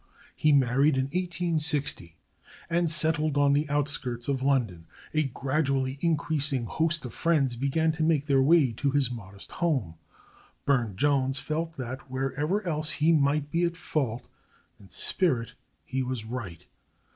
He married in 1860, and settled on the outskirts of London. A gradually increasing host of friends began to make their way to his modest home. Burne Jones felt that, wherever else he might be at fault, in spirit he was right.